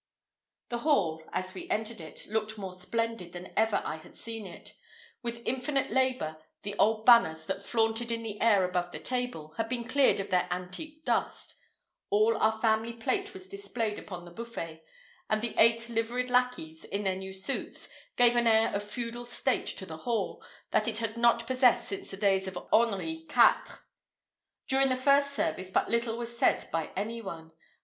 The hall, as we entered it, looked more splendid than ever I had seen it. With infinite labour, the old banners, that flaunted in the air above the table, had been cleared of their antique dust; all our family plate was displayed upon the buffet; and the eight liveried lackeys, in their new suits, gave an air of feudal state to the hall, that it had not possessed since the days of Henri Quatre. During the first service but little was said by any one.